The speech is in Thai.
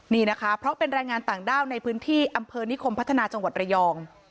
นี่นะคะเพราะเป็นแรงงานต่างด้าวในพื้นที่อำเภอนิคมพัฒนาจังหวัดระยอง